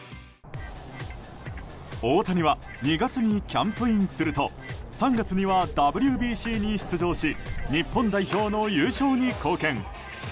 大谷は２月にキャンプインすると３月にはＷＢＣに出場し日本代表の優勝に貢献。